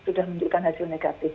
sudah menunjukkan hasil negatif